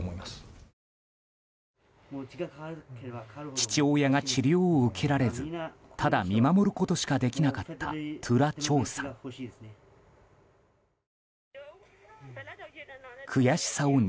父親が治療を受けられずただ見守ることしかできなかったトゥラ・チョーさん。